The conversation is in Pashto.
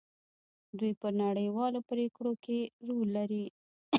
دوی په نړیوالو پریکړو کې رول لري.